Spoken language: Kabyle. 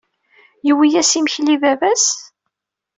Yewwi-yas imekli i baba-s?